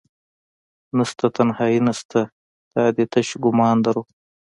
نشته تنهایې نشته دادي تش ګمان دروح